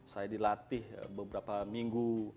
saya dilatih beberapa minggu